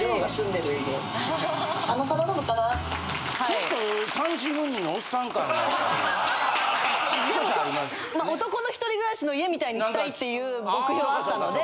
でも男の１人暮らしの家みたいにしたいっていう目標があったので。